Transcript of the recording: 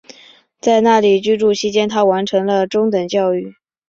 在那里居住期间她完成了中等教育。